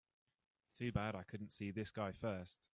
Too bad I couldn't see this guy first.